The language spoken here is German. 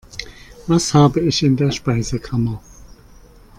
Was habe ich in der Speisekammer?